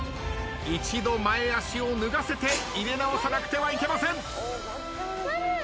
一度前足を脱がせて入れ直さなくてはいけません。